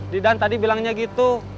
didan tadi bilangnya gitu